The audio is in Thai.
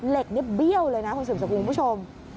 เหล็กเบี้ยวเลยนะคุณสมศักดิ์คุณผู้ชม